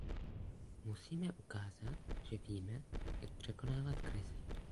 Musíme ukázat, že víme, jak překonávat krize.